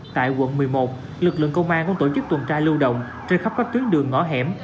tại quận một mươi một lực lượng công an cũng tổ chức tuần tra lưu động trên khắp các tuyến đường ngõ hẻm